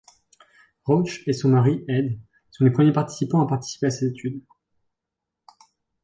Roach et son mari, Ed, sont les premiers participants à participer à cette étude.